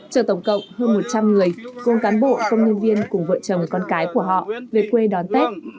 chở tổng cộng hơn một trăm linh người gồm cán bộ công nhân viên cùng vợ chồng con cái của họ về quê đón tết